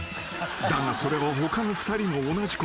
［だがそれは他の２人も同じこと］